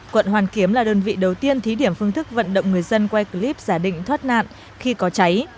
quận hoàn kiếm là đơn vị đầu tiên thí điểm phương thức vận động người dân quay clip giả định thoát nạn khi có cháy